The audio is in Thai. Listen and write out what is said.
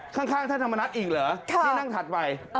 ข้างท่านธรรมนัฐอีกเหรอที่นั่งถัดไป